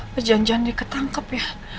jangan jangan diketangkep ya